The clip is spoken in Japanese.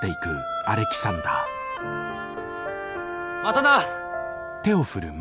またな！